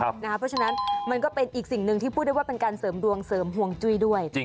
เพราะฉะนั้นมันก็เป็นอีกสิ่งหนึ่งที่พูดได้ว่าเป็นการเสริมดวงเสริมห่วงจุ้ยด้วย